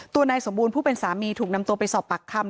นายสมบูรณ์ผู้เป็นสามีถูกนำตัวไปสอบปากคำ